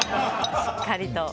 しっかりと。